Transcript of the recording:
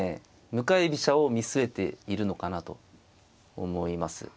向かい飛車を見据えているのかなと思います。